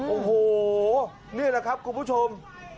โอ้โหนี่แหละครับคุณผู้ชม